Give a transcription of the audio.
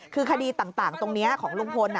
คือคดีต่างตรงนี้ของลุงพล